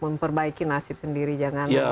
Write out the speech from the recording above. memperbaiki nasib sendiri jangan